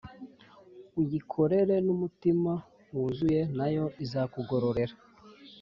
uyikorere n umutima wuzuye nayo izakugororera